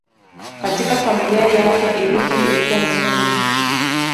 Katika familia yake elimu ilikuwa muhimu.